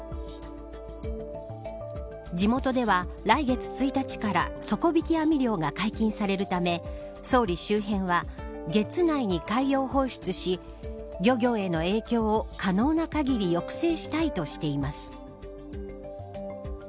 地元では、来月１日から底引き網漁が解禁されるため総理周辺は月内に海洋放出し漁業への影響を可能な限り抑制したいとしています。